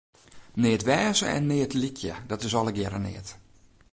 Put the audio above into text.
Neat wêze en neat lykje, dat is allegearre neat.